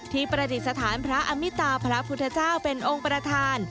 ประดิษฐานพระอมิตาพระพุทธเจ้าเป็นองค์ประธาน